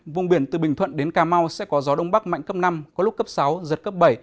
vùng biển từ bình thuận đến cà mau sẽ có gió đông bắc mạnh cấp năm có lúc cấp sáu giật cấp bảy